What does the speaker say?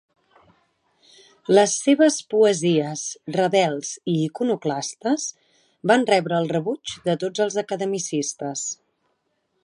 Les seves poesies rebels i iconoclastes van rebre el rebuig de tots els academicistes.